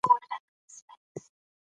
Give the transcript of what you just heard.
افغانستان له کابل ډک دی.